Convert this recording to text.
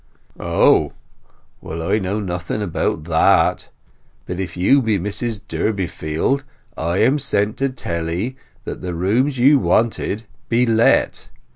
"Oh? Well, I know nothing about that; but if you be Mrs Durbeyfield, I am sent to tell 'ee that the rooms you wanted be let.